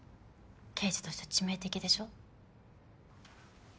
刑事として致命的でしょ？